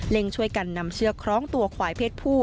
ช่วยกันนำเชือกคล้องตัวควายเพศผู้